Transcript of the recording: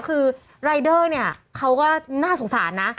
คือรายเดอร์เนี่ยเขาก็น่าสงสารนะ